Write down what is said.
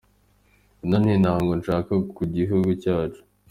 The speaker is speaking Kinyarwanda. "Ino ni intango nshasha ku gihugu cacu.